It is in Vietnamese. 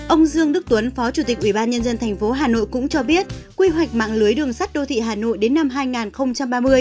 ông dương đức tuấn phó chủ tịch ủy ban nhân dân tp hà nội cũng cho biết quy hoạch mạng lưới đường sắt đô thị hà nội đến năm hai nghìn ba mươi